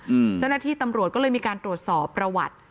เจ้าหน้าที่ตำรวจก็เลยมีการตรวจสอบประวัติ